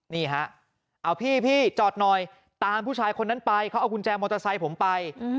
นี่ฮะเอาพี่จอดหน่อยตามผู้ชายคนนั้นไปเขาเอากุญแจมอเตอร์ไซค์ผมไป